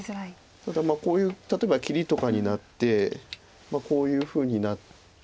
ただこういう例えば切りとかになってこういうふうになって。